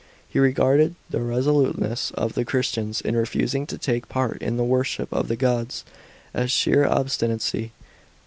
He regarded the resoluteness of the Christians in refusing to take part in the worship of the gods as "sheer obstinacy."